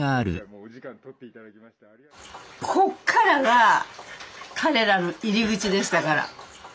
こっからが彼らの入り口でしたから。